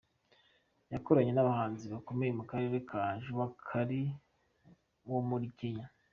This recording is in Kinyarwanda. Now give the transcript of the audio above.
Yakoranye n’abahanzi bakomeye mu Karere nka Jua Kali wo muri Kenya.